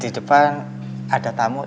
di depan ada tamu